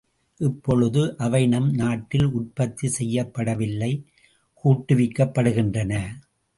இப்பொழுது அவை நம் நாட்டில் உற்பத்தி செய்யப்படவில்லை கூட்டுவிக்கப்படுகின்றன.